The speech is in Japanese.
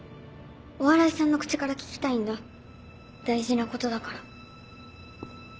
お笑いさんの口から聞きたいんだ大事なことだから。